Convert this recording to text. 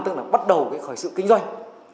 tức là bắt đầu cái khởi sự kinh doanh